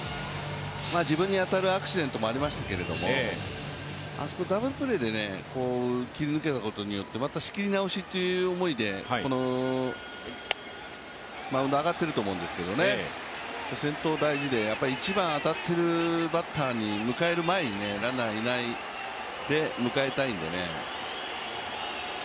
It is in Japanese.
自分に当たるアクシデントもありましたけれども、あそこ、ダブルプレーで切り抜けたことによってまた仕切り直しっていう思いでこのマウンド上がっていると思うんですけどね、先頭が大事で、一番当たっているバッターを迎える前にランナーいないで迎えたいんでね。